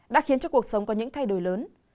đã khiến cho cuộc sống có những thay đổi lớn